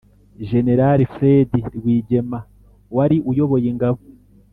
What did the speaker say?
jenerali fred rwigema wari uyoboye ingabo